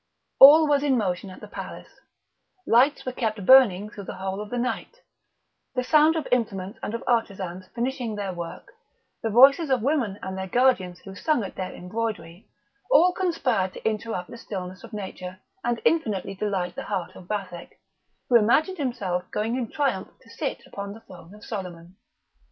All was in motion at the palace; lights were kept burning through the whole of the night; the sound of implements and of artisans finishing their work, the voices of women and their guardians who sung at their embroidery, all conspired to interrupt the stillness of nature and infinitely delight the heart of Vathek, who imagined himself going in triumph to sit upon the throne of Soliman.